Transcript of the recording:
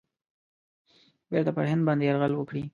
بیرته پر هند باندي یرغل وکړي.